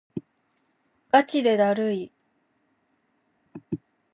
がちでだるい